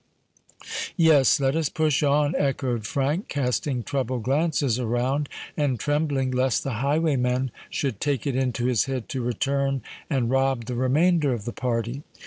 "Yes—let us push on," echoed Frank, casting troubled glances around, and trembling lest the highwayman should take it into his head to return and rob the remainder of the party.